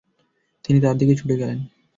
তিনি তার দিকে ছুটে গেলেন।